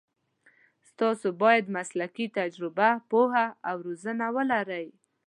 تاسو باید مسلکي تجربه، پوهه او روزنه ولرئ.